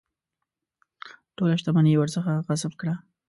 ټوله شته مني یې ورڅخه غصب کړه.